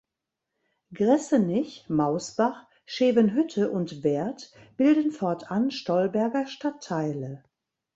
Gressenich, Mausbach, Schevenhütte und Werth bilden fortan Stolberger Stadtteile.